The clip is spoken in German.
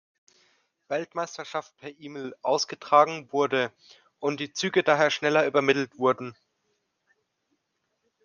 Weltmeisterschaft per E-Mail ausgetragen wurde und die Züge daher schneller übermittelt wurden.